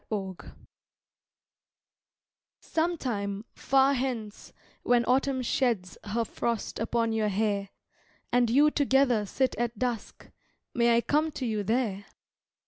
To Some time, far hence, when Autumn sheds Her frost upon your hair, And you together sit at dusk, May I come to you there?